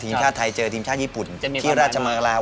ทีมชาติไทยเจอทีมชาติญี่ปุ่นที่ราชเมืองลาว